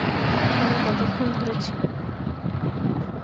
ওখানে কতক্ষণ ধরে ছিল?